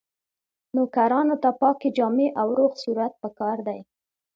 نوکرانو ته پاکې جامې او روغ صورت پکار دی.